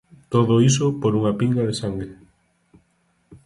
Todo iso por unha pinga de sangue.